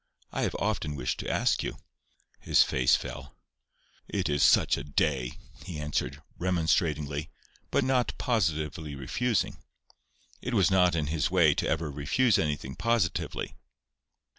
I have often wished to ask you." His face fell. "It is such a day!" he answered, remonstratingly, but not positively refusing. It was not his way ever to refuse anything positively.